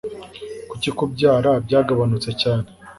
Kuki kubyara byagabanutse cyane?